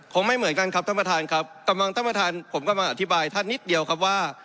ไม่เหมือนกันครับท่านประธานครับกำลังท่านประธานผมกำลังอธิบายท่านนิดเดียวครับว่า